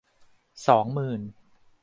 สองหมื่น